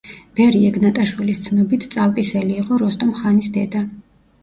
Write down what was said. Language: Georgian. ბერი ეგნატაშვილის ცნობით, წავკისელი იყო როსტომ ხანის დედა.